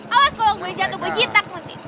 awas kalo gue jatuh gue jitak nanti